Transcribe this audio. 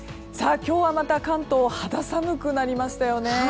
今日はまた関東肌寒くなりましたよね。